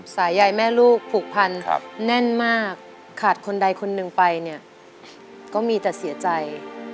สายยายแม่ลูกผูกพันแน่นมากขาดคนใดคนหนึ่งไปเนี่ยก็มีแต่เสียใจ